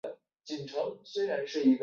推动灾区的复原重建